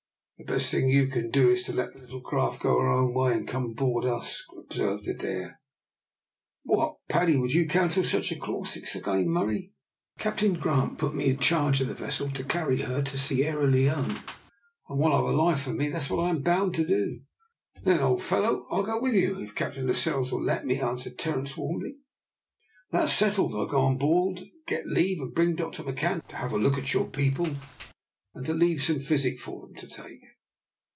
"The best thing you can do is to let the little craft go her own way, and come on board us," observed Adair. "What, Paddy, would you counsel such a course?" exclaimed Murray. "Captain Grant put me in charge of the vessel to carry her to Sierra Leone, and while I've life in me that is what I am bound to do." "Then, old fellow, I'll go with you, if Captain Lascelles will let me," answered Terence, warmly. "That's settled; I'll go on board and get leave, and bring Dr McCan to have a look at your people, and to leave some physic for them to take."